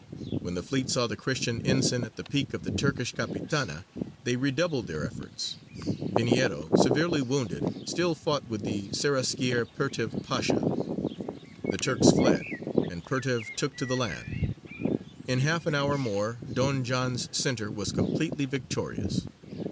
When the fleet saw the Christian ensign at the peak of the Turkish capitana they redoubled their efforts: Veniero, severely wounded, still fought with the Seraskier Pertev Pasha; the Turks fled, and Pertev took to the land. In half an hour more Don John's centre was completely victorious.